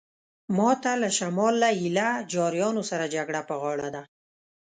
ماته له شمال له ایله جاریانو سره جګړه په غاړه ده.